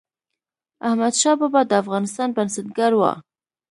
احمدشاه بابا د افغانستان بنسټګر و.